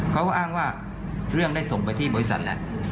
เขาก็อ้างว่าเรื่องได้ส่งไปที่บริษัทแล้ว